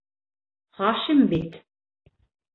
— Хашим бит...